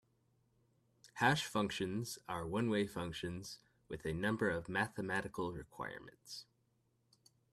Hash functions are one-way functions with a number of mathematical requirements.